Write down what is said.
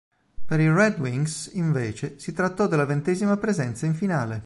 Per i Red Wings invece si trattò della ventesima presenza in finale.